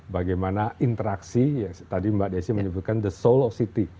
bagaimana interaksi tadi mbak desi menyebutkan the soul of city